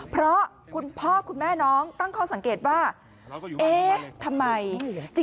เพราะคุณพ่อคุณแม่น้องตั้งข้อสังเกตว่าเอ๊ะทำไม